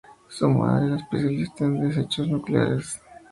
Su madre era una especialista en desechos nucleares y su padre era ginecólogo.